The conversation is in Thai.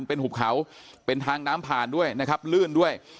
เป็นหุบเขาเป็นทางน้ำผ่านด้วยนะครับลื่นด้วย